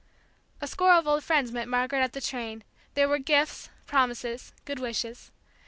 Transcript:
A score of old friends met Margaret at the train; there were gifts, promises, good wishes.